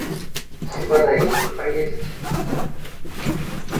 Хіба на ім вы паедзеце?